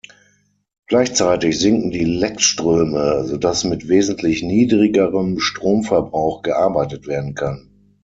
Gleichzeitig sinken die Leckströme, so dass mit wesentlich niedrigerem Stromverbrauch gearbeitet werden kann.